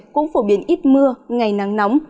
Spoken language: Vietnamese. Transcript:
cũng phổ biến ít mưa ngày nắng nóng